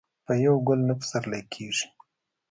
په يو ګل نه پسرلی کيږي.